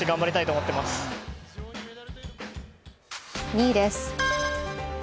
２位です。